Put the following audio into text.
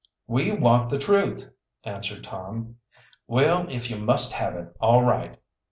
"We want the truth," answered Tom. "Well, if you must have it, all right.